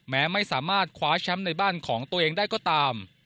แม้ไม่สามารถคว้าแชมป์ในบ้านของตัวเองได้ก็ตาม